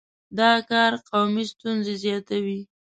دا کار قومي ستونزې زیاتوي.